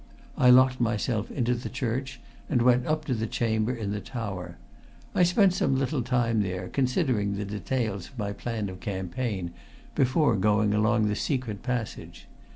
I locked myself into the church, and went up to the chamber in the tower. I spent some little time there, considering the details of my plan of campaign, before going along the secret passage.